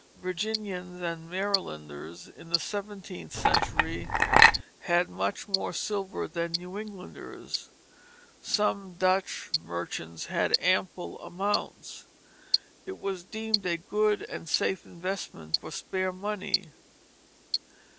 Virginians and Marylanders in the seventeenth century had much more silver than New Englanders. Some Dutch merchants had ample amounts. It was deemed a good and safe investment for spare money.